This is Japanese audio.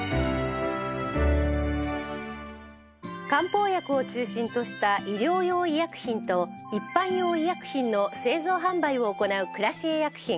漢方薬を中心とした医療用医薬品と一般用医薬品の製造販売を行うクラシエ薬品